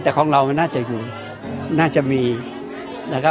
แต่ของเรามันน่าจะอยู่น่าจะมีนะครับ